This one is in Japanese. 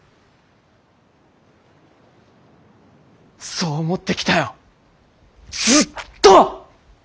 そう思ってきたよずっと！